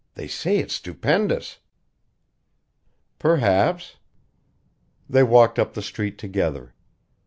They say it's stupendous!" "Perhaps." They walked up the street together.